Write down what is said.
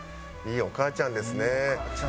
いいお母ちゃんですよ。